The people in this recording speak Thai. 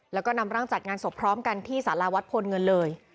แล้วก็นำร่างจัดงานศพพร้อมกันที่สาราวัดพลเงินเลย